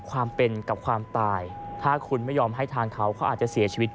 ความเป็นกับความตายถ้าคุณไม่ยอมให้ทางเขาเขาอาจจะเสียชีวิต